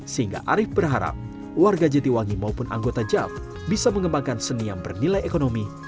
sehingga arief berharap warga jatiwangi maupun anggota jav bisa mengembangkan seni yang bernilai ekonomi